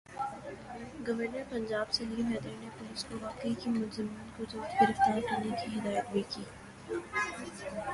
governor Punjab Salim Haider نے police کو واقعے کے ملزمان کو جلد گرفتار کرنے کی ہدایت بھی کی